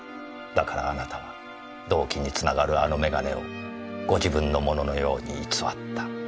だからあなたは動機につながるあの眼鏡をご自分のもののように偽った。